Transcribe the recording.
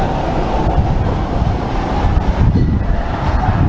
เมื่อเวลาอันดับสุดท้ายมันกลายเป็นภูมิที่สุดท้าย